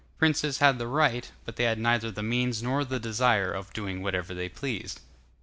Princes had the right, but they had neither the means nor the desire, of doing whatever they pleased.